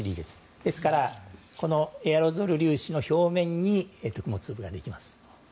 ですからエアロゾル粒子の表面に雲粒ができます。